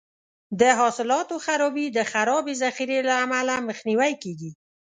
د حاصلاتو خرابي د خرابې ذخیرې له امله مخنیوی کیږي.